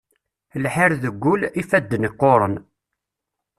Lḥir deg ul, ifadden qquṛen.